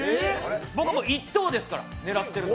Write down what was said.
僕はもう１等ですから狙ってるの。